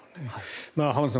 浜田さん